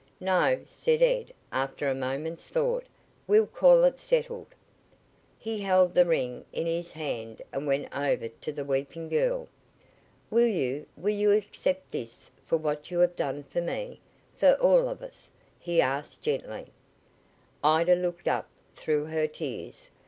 "No," said Ed after a moment's thought "We'll call it settled." He held the ring in his hand and went over to the weeping girl. "Will you will you accept this for what you have done for me for all of us?" he asked gently. Ida looked up through her tears.